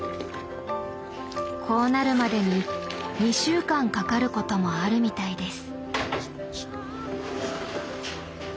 こうなるまでに２週間かかることもあるみたいです。